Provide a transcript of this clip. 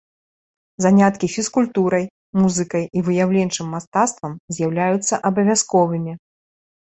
Заняткі фізкультурай, музыкай і выяўленчым мастацтвам з'яўляюцца абавязковымі.